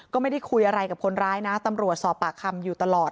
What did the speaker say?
ก็ไม่ได้คุยอะไรกับคนร้ายนะตำรวจสอบปากคำอยู่ตลอด